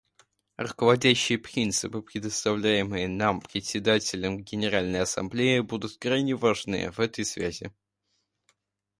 Руководящие принципы, предоставляемые нам Председателем Генеральной Ассамблеи, будут крайне важны в этой связи.